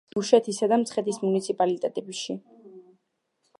დუშეთისა და მცხეთის მუნიციპალიტეტებში.